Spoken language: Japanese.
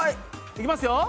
いきますよ！